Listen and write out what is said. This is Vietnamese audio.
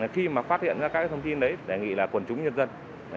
khi mà phát hiện ra các thông tin đấy đề nghị là quần chúng nhân dân